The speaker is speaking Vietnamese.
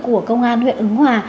của công an huyện ứng hòa